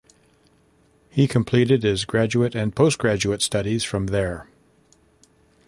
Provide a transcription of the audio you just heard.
He completed his graduate and postgraduate studies from there.